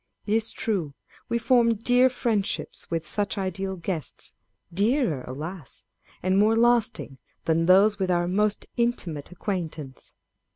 It is true, we form dear friendships with such ideal guests â€" dearer, alas ! and more lasting, than those with our most intimate acquaintance.